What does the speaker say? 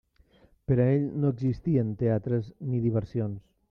Per a ell no existien teatres ni diversions.